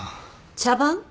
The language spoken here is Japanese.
茶番？